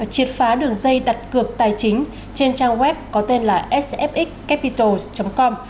triệt phá đường dây đặt cược tài chính trên trang web có tên là sfxcapitals com